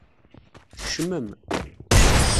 Tkecmem.